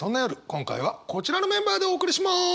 今回はこちらのメンバーでお送りします！